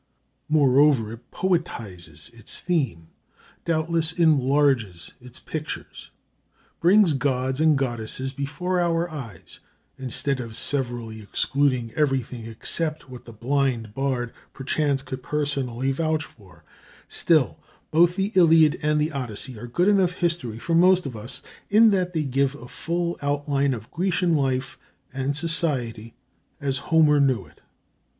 Moreover, it poetizes its theme, doubtless enlarges its pictures, brings gods and goddesses before our eyes, instead of severely excluding everything except what the blind bard perchance could personally vouch for. [Footnote 14: See Fall of Troy, page 70.] Still both the Iliad and the Odyssey are good enough history for most of us, in that they give a full, outline of Grecian life and society as Homer knew it.